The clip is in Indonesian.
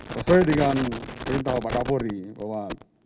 terus saya dengan perintah pak kapolri bahwa